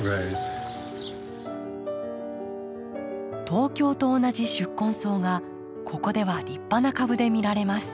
東京と同じ宿根草がここでは立派な株で見られます。